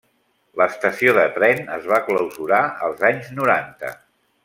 L'estació de tren es va clausurar als anys noranta.